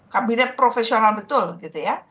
kabinet profesional betul gitu ya